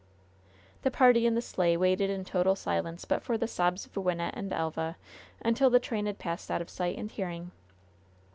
The party in the sleigh waited in total silence but for the sobs of Wynnette and Elva, until the train had passed out of sight and hearing.